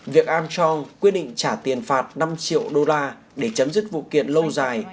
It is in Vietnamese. việc langam chong quyết định trả tiền phạt năm triệu đô la để chấm dứt vụ kiện lâu dài